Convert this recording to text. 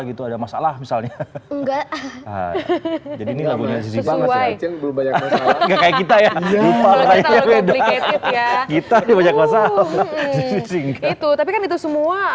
gitu ada masalah misalnya enggak jadi ini lagunya sesuai kayak kita ya kita itu tapi kan itu semua